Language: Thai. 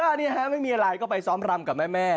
อันนี้ฮะไม่มีอะไรก็ไปซ้อมรำกับแม่